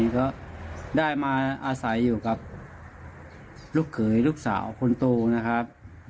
ก็ได้มาอาศัยอยู่กับลูกเขยลูกสาวคนโตนะครับ